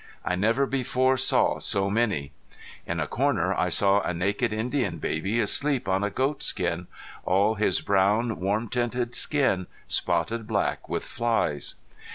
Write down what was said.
I never before saw so many. In a corner I saw a naked Indian baby asleep on a goat skin, all his brown warm tinted skin spotted black with flies.